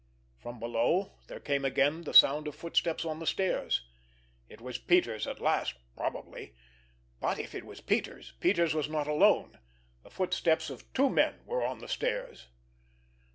From below there came again the sound of footsteps on the stairs. It was Peters at last, probably; but, if it was Peters, Peters was not alone. The footsteps of two men were on the stairs.